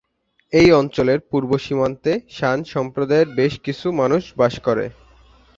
এই অঞ্চলের পূর্ব সীমান্তে শান সম্প্রদায়ের বেশ কিছু মানুষ বাস করে।